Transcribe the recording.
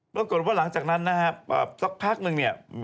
ปรากฏว่าหลังจากนั้นสักพักหนึ่ง